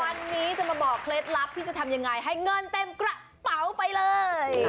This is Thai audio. วันนี้จะมาบอกเคล็ดลับที่จะทำยังไงให้เงินเต็มกระเป๋าไปเลย